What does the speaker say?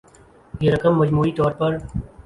یہ رقم مجموعی طور پر